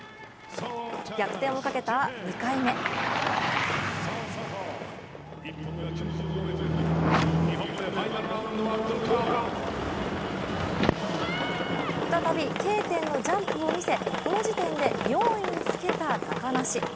逆転をかけた２回目再びＫ点のジャンプを見せこの時点で４位につけた高梨。